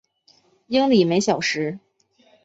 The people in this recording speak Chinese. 英里每小时。